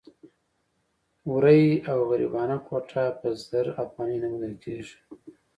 ورې او غریبانه کوټه په زر افغانۍ نه موندل کېده.